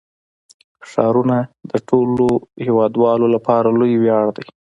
ښارونه د ټولو هیوادوالو لپاره لوی ویاړ دی.